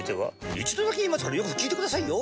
一度だけ言いますからよく聞いてくださいよ。